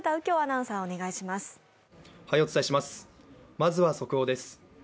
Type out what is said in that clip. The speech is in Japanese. まずは速報です。